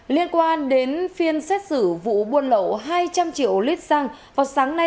liên quan đến phiên xét xử vụ buôn lậu hai trăm linh triệu lít xăng vào sáng nay